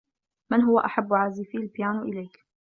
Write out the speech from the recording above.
من هو أحب عازفي البيانو إليك.